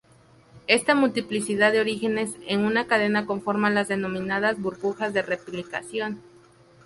Esta multiplicidad de orígenes en una cadena conforma las denominadas burbujas de replicación.